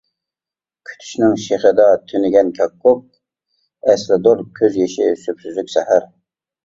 كۈتۈشنىڭ شېخىدا تۈنىگەن كاككۇك، ئەسلىدۇر كۆز يېشى سۈپسۈزۈك سەھەر.